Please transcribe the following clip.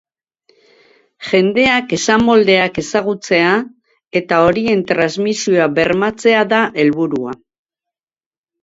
Jendeak esamoldeak ezagutzea eta horien transmisioa bermatzea da helburua.